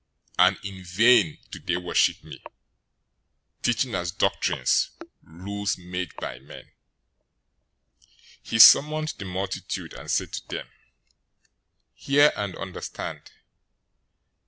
015:009 And in vain do they worship me, teaching as doctrine rules made by men.'"{Isaiah 29:13} 015:010 He summoned the multitude, and said to them, "Hear, and understand.